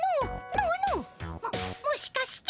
ももしかして。